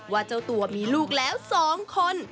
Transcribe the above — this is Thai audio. ว่าเจ้าตัวมีลูกแล้วสองคน